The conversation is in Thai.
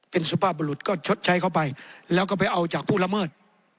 เป็นสุภาพบรุษก็ชดใช้เข้าไปแล้วก็ไปเอาจากผู้ละเมิด